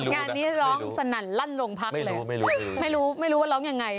งานนี้ร้องสนั่นลั่นโรงพักเลยไม่รู้ไม่รู้ว่าร้องยังไง